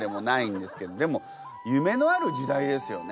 でも夢のある時代ですよね。